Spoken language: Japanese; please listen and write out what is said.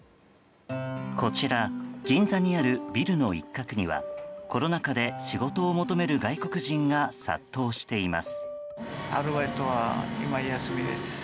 こちら、銀座にあるビルの一角にはコロナ禍で仕事を求める外国人が殺到しています。